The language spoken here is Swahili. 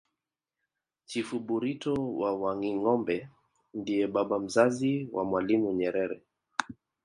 chifu burito wa wangingombe ndiye baba mzazi wa mwalimu nyerere